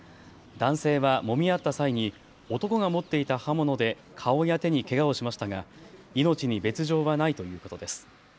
男性はもみ合った際に男が持っていた刃物で顔や手にけがをしましたが命に別状はないということです。